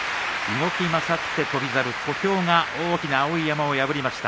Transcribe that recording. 動き勝って翔猿小兵が大きな碧山を破りました。